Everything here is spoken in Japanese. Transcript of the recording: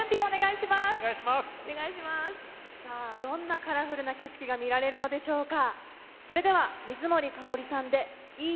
どんなカラフルな景色が見られるのでしょうか？